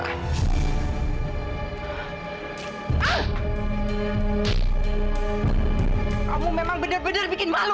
kamu memang bener bener bikin malu